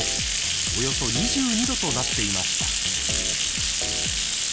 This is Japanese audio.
およそ２２度となっていました。